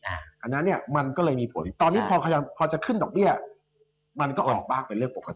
อันนั้นเนี่ยมันก็เลยมีผลตอนนี้พอจะขึ้นดอกเบี้ยมันก็ออกบ้างเป็นเรื่องปกติ